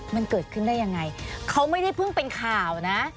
มันเกิดขึ้นได้ยังไงเขาไม่ได้เพิ่งเป็นข่าวนะ